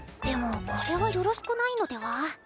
でもこれはよろしくないのでは？